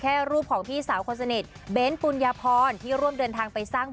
รูปของพี่สาวคนสนิทเบ้นปุญญาพรที่ร่วมเดินทางไปสร้าง